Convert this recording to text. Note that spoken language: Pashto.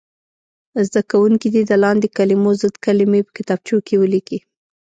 زده کوونکي دې د لاندې کلمو ضد کلمې په کتابچو کې ولیکي.